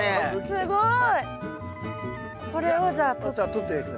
すごい。